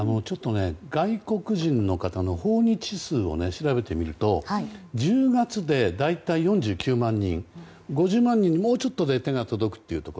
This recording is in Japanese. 外国人の方の訪日数を調べてみると１０月で大体４９万人５０万人にもうちょっとで手が届くというところ。